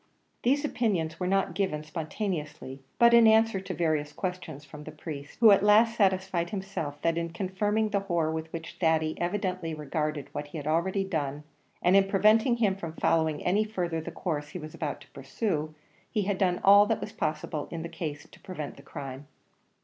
These opinions were not given spontaneously, but in answer to various questions from the priest, who at last satisfied himself that in confirming the horror with which Thady evidently regarded what he had already done, and in preventing him from following any further the course he was about to pursue, he had done all that was possible in the case to prevent crime.